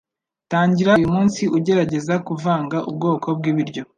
Tangira uyu munsi ugerageza kuvanga ubwoko bw'ibiryo